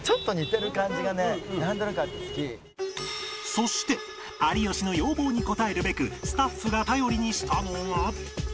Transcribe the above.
そして有吉の要望に応えるべくスタッフが頼りにしたのが